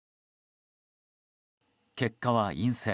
結果は陰性。